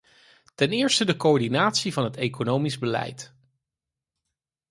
Ten eerste de coördinatie van het economisch beleid.